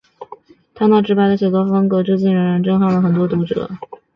他那直白的写作风格至今仍然震撼了很多读者。